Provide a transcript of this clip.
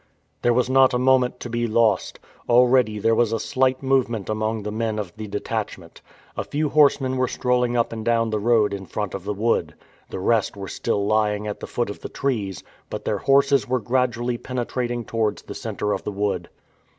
There was not a moment to be lost. Already there was a slight movement among the men of the detachment. A few horsemen were strolling up and down the road in front of the wood. The rest were still lying at the foot of the trees, but their horses were gradually penetrating towards the center of the wood.